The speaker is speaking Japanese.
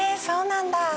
そうなんだ。